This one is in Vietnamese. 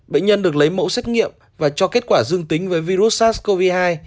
bệnh nhân được lấy mẫu xét nghiệm và cho kết quả dương tính với virus sars cov hai